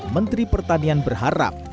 menteri pertanian berharap